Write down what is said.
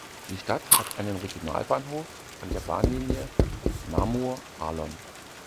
Die Stadt hat einen Regionalbahnhof an der Bahnlinie Namur-Arlon.